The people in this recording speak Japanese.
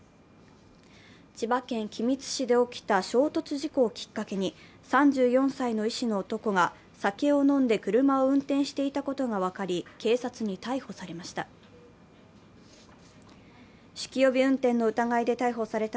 千葉県君津市で起きた衝突事故をきっかけに３４歳の医師の男が酒を飲んで車を運転していたことが分かり警察に逮捕されました。